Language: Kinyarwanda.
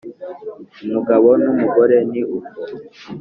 Umugabo n umugore ni uko